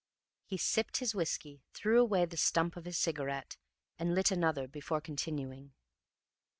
He sipped his whiskey, threw away the stump of his cigarette, and lit another before continuing.